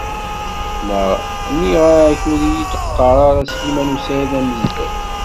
Naɣ nniɣ-ak ur iyi-d-ɣɣar ara Sliman u Saɛid Amezdat?